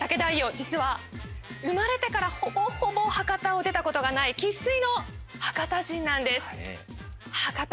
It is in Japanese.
実は生まれてからほぼほぼ博多を出たことがない生っ粋の博多人なんです博多